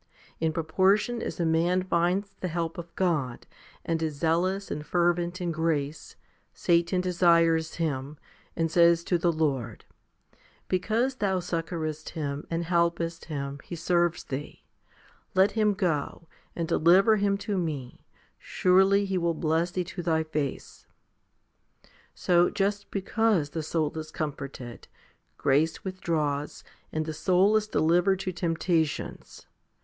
In proportion as a man finds the help of God, and is zealous and fervent in grace, Satan desires him, and says to the Lord, "Because Thou succourest him, and helpest him, he serves Thee : let him go, and deliver him to me, surely he will bless Thee to Thy face." So, just because the soul is comforted, grace with draws, and the soul is delivered to temptations.